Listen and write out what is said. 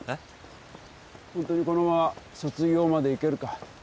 ホントにこのまま卒業までいけるか？